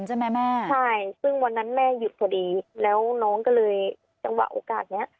ใช่ซึ่งวันนั้นแม่หยุดพอดีแล้วน้องก็เลยจังหวะโอกาสนี้